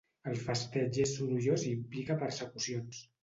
El festeig és sorollós i implica persecucions.